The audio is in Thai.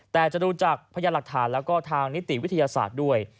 แต่จะรู้จักพยาบาทและทางนิติวิทยาศาสตร์ด้วย